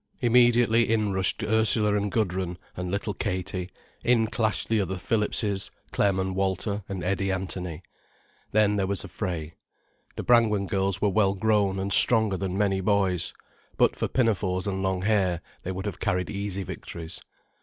Immediately in rushed Ursula and Gudrun, and little Katie, in clashed the other Phillipses, Clem and Walter, and Eddie Anthony. Then there was a fray. The Brangwen girls were well grown and stronger than many boys. But for pinafores and long hair, they would have carried easy victories.